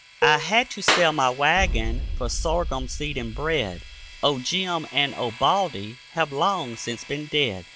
I had to sell my wagon for sorghum seed and bread; Old Jim and old Baldy have long since been dead.